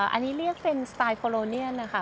อันนี้เรียกเป็นสไตล์โคโลเนียนนะคะ